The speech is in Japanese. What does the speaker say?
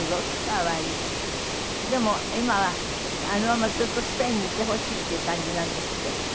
でも今はあのままずっとスペインにいてほしいっていう感じなんですって？